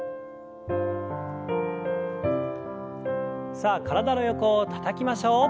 さあ体の横をたたきましょう。